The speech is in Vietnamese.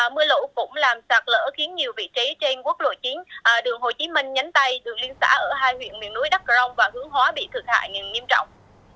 mưa lũ cũng làm sạt lỡ khiến nhiều vị trí trên quốc lộ chính đường hồ chí minh nhánh tay đường liên xã ở hai huyện miền núi đắk cờ rông và hướng hóa bị thực hại nghiêm trọng